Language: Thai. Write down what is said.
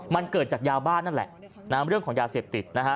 มันเกิดจากยาบ้านนั่นแหละเรื่องของยาเสพติดนะฮะ